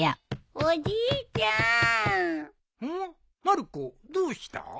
まる子どうした？